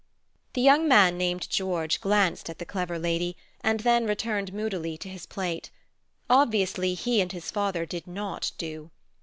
The young man named George glanced at the clever lady, and then returned moodily to his plate. Obviously he and his father did not do.